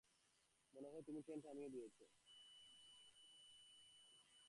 মানে, তুমি ট্রেন থামিয়ে দিয়েছো।